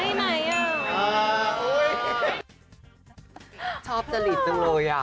เป็นแบบที่ธรรมชาติและส่วนใหญ่